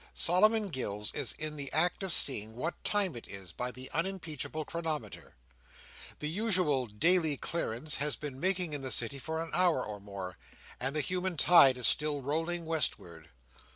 Solomon Gills is in the act of seeing what time it is by the unimpeachable chronometer. The usual daily clearance has been making in the City for an hour or more; and the human tide is still rolling westward.